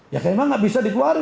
ya memang tidak bisa dikeluarin